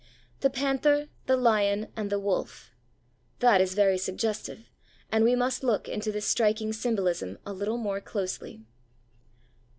The panther, the lion, and the wolf; that is very suggestive, and we must look into this striking symbolism a little more closely.